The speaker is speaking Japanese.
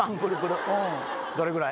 どれぐらい？